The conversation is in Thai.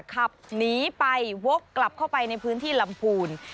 ขับหนีไปวกกลับเข้าไปในพื้นที่ลำพูน